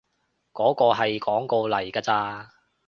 嗰個係廣告嚟㗎咋